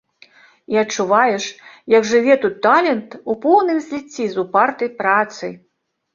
І адчуваеш, як жыве тут талент у поўным зліцці з упартай працай.